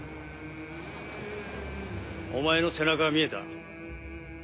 お前の背中は見えた。